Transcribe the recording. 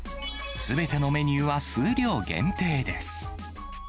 すべてのメニューは数量限定です。